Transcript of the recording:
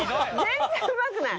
全然うまくない。